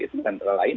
itu bukan terlalu lain